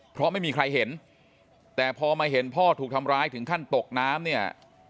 เพราะไม่มีใครเห็นแต่พอมาเห็นพ่อถูกทำร้ายถึงขั้นตกน้ำเนี่ย